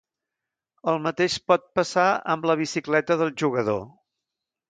El mateix pot passar amb la bicicleta del jugador.